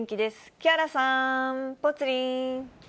木原さん、ぽつリン。